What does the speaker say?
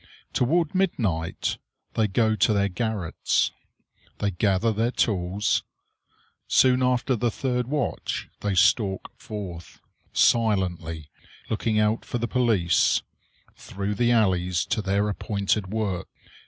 Toward midnight they go to their garrets. They gather their tools. Soon after the third watch they stalk forth, silently, looking out for the police, through the alleys to their appointed work.